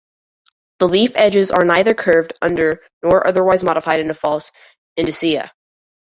The leaf edges are neither curved under nor otherwise modified into false indusia.